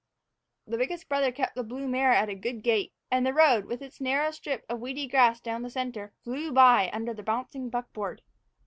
The biggest brother kept the blue mare at a good gait, and the road, with its narrow strip of weedy grass down the center, flew by under the bouncing buckboard.